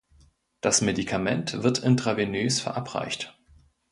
Das Medikament wird intravenös verabreicht.